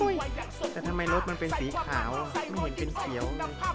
แต่ทำไมรถมันเป็นสีขาวไม่เห็นเป็นเขียว